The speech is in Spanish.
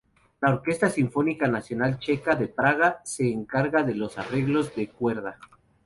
La Orquesta Sinfónica Nacional Checa de Praga se encarga de los arreglos de cuerda.